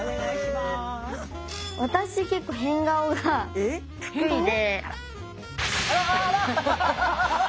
私結構変顔が得意で。